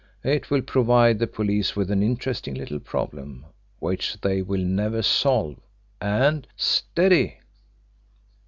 It will provide the police with an interesting little problem which they will never solve, and STEADY!"